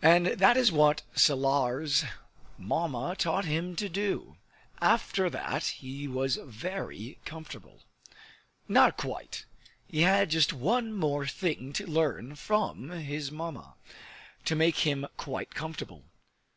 And that is what Salar's Mamma taught him to do. After that he was very comfortable. Not quite; he had just one more thing to learn from his Mamma, to make him quite comfortable.